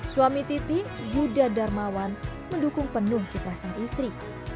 suami titi budha darmawan mendukung penuh kipasan istri